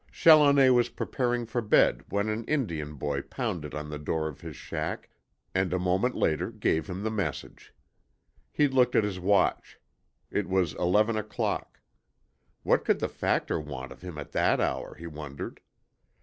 Challoner was preparing for bed when an Indian boy pounded on the door of his shack and a moment later gave him the message. He looked at his watch. It was eleven o'clock. What could the Factor want of him at that hour, he wondered?